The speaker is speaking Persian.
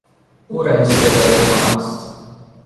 او رئیس ادارهی ما است.